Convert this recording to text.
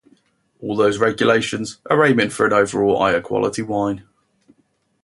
All those regulations are aiming for an overall higher quality wine.